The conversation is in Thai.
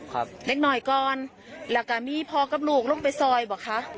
เล็กหน่อยก่อนแล้วก็มีพ่อกับลูกลงไปซอยบอกคะ